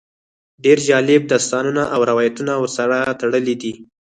ډېر جالب داستانونه او روایتونه ورسره تړلي دي.